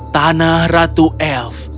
tanah ratu elf